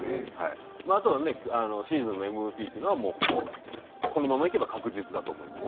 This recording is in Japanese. あとはシーズンのＭＶＰもほぼこのままいけば確実だと思います。